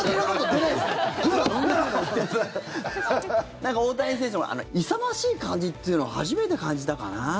なんか大谷選手もあの勇ましい感じっていうのは初めて感じたかな。